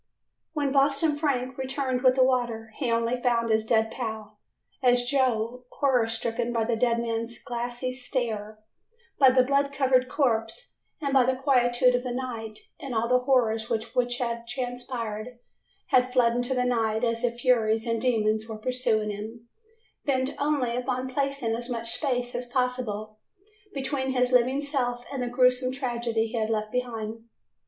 When Boston Frank returned with the water, he only found his dead pal, as Joe, horror stricken by the dead man's glassy stare, by the blood covered corpse, by the quietude of the night and all the horrors which had transpired, had fled into the night as if furies and demons were pursuing him, bent only upon placing as much space as possible between his living self and the gruesome tragedy he had left behind.